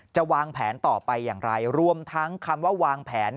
จะวางแผนต่อไปอย่างไรรวมทั้งคำว่าวางแผน